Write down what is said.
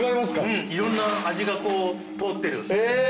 うんいろんな味がこう通ってる。